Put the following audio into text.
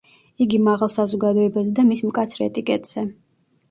იგი მაღალ საზოგადოებაზე და მის მკაცრ ეტიკეტზე.